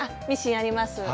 ミシンあります。